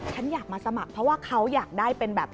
ฉันอยากมาสมัครเพราะว่าเขาอยากได้เป็นแบบ